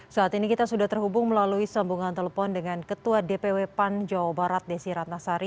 saat ini kita sudah terhubung melalui sambungan telepon dengan ketua dpw pan jawa barat desi rantasari